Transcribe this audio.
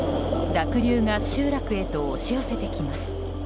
濁流が集落へと押し寄せてきます。